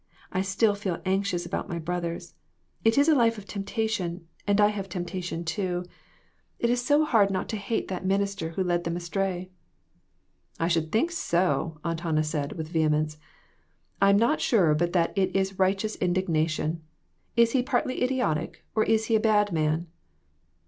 I still feel anxious about my brothers. It is a life of temptation, and I have 74 WITHOUT ARE DOGS. temptation, too. It is so hard not to hate that minister who led them astray." "I should think so!" Aunt Hannah said, with vehemence. "I'm not sure but that is righteous indignation. Is he partly idiotic, or is he a bad man?"